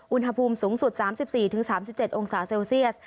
อุณหภูมิสูงสุด๓๔๓๗องศาเซลเซียส